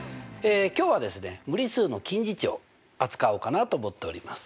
今日はですね無理数の近似値を扱おうかなと思っております。